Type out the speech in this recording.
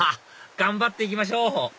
頑張って行きましょう！